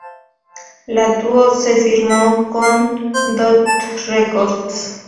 La dúo se firmó con Dot Records.